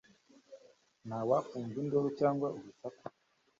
ntawakumva induru cyangwa urusaku